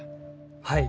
はい。